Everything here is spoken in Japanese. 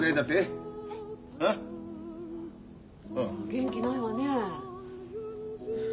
元気ないわねえ。